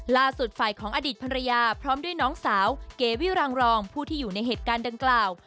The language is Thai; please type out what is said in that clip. ล่าสุดฝ่ายของอดีตภรรยาพร้อมด้วยน้องสาวเกวิรังรองผู้ที่อยู่ในเหตุการณ์ดังกล่าว